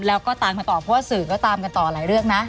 แล้วก็ตามกันต่อเพราะว่าสื่อก็ตามกันต่อหลายเรื่องนะ